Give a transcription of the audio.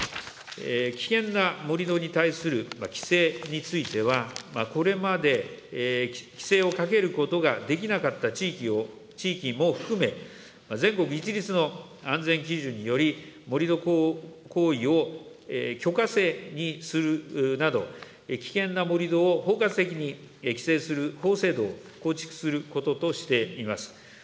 危険な盛り土に対する規制については、これまで規制をかけることができなかった地域も含め、全国一律の安全基準により、盛り土行為を許可制にするなど、危険な盛り土を包括的に規制する法制度を構築することとしています。